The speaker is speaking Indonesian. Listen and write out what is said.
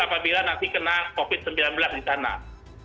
apabila masih kena covid sembilan belas di tanah